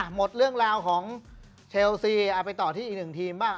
หมดเรื่องราวของเชลซีไปต่อที่อีกหนึ่งทีมบ้าง